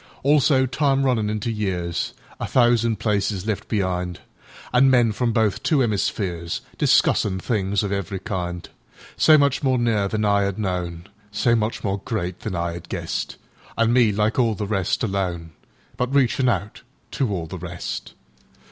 Also Time runnin' into years—A thousand Places left be'ind—An' Men from both two 'emispheresDiscussin' things of every kind; So much more near than I 'ad known, So much more great than I 'ad guessed—An' me, like all the rest, alone—But reachin' out to all the rest!